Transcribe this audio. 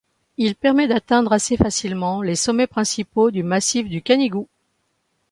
Il permet d'atteindre assez facilement les sommets principaux du massif du Canigou.